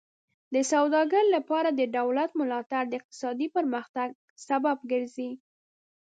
د سوداګرۍ لپاره د دولت ملاتړ د اقتصادي پرمختګ سبب ګرځي.